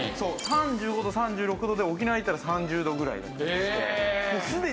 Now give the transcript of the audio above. ３５度３６度で沖縄行ったら３０度ぐらいの感じで。